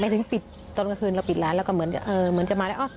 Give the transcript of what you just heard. ตอนกลางคืนเราปิดร้านเราก็เหมือนจะมาแล้ว